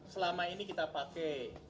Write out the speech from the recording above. selama ini kita pakai